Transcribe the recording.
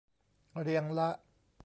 เรียงละ